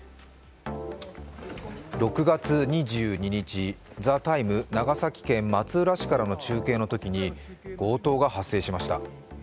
６月２２日「ＴＨＥＴＩＭＥ，」長崎県松浦市からの中継中に強盗が発生しました。